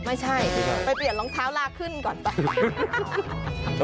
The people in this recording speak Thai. ไม่ใช่ไปเปลี่ยนรองเท้าลากขึ้นก่อนไป